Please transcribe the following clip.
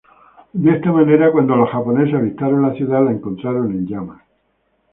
De esta manera, cuando los japoneses avistaron la ciudad, la encontraron en llamas.